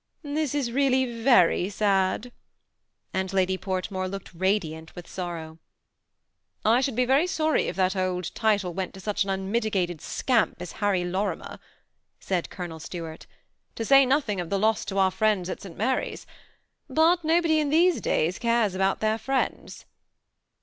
This is really very sad ;" and Lady Portmore looked radiant with sorrow. \ THE SEMI ATTACHED COUPLE. 823 " I should be very sorry if that old title went to such an unmitigated scamp as Harry Lorimer," said Colonel Stuart, " to say nothing of the loss to our friends at St. Mary's ; but nobody in these days cares about their friends."